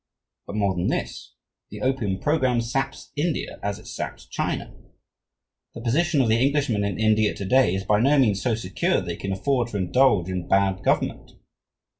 But more than this, the opium programme saps India as it saps China. The position of the Englishman in India to day is by no means so secure that he can afford to indulge in bad government.